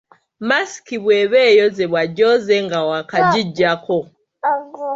Masiki bw’eba eyozebwa, gyoze nga waakagiggyako.